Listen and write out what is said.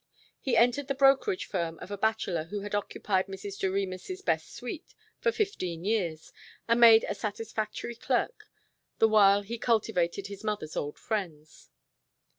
He entered the brokerage firm of a bachelor who had occupied Mrs. Doremus' best suite for fifteen years, and made a satisfactory clerk, the while he cultivated his mother's old friends.